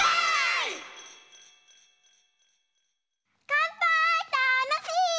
かんぱーいたのしい！